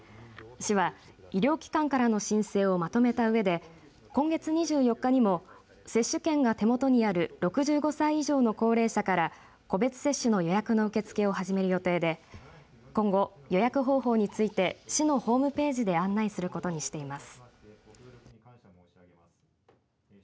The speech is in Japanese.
市は医療機関からの申請をまとめたうえで今月２４日にも接種券が手元にある６５歳以上の高齢者から個別接種の予約の受け付けを始める予定で今後、予約方法について市のホームページで案内することにしています。